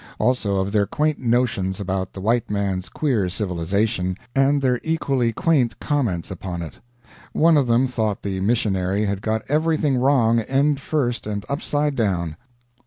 Also of their quaint notions about the white man's queer civilization, and their equally quaint comments upon it. One of them thought the missionary had got everything wrong end first and upside down.